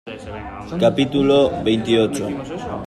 capítulo veintiocho.